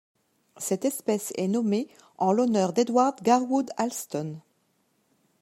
Cette espèce est nommée en l'honneur d'Edward Garwood Alston.